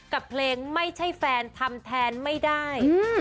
กับเพลงไม่ใช่แฟนทำแทนไม่ได้